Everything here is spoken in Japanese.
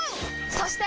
そして！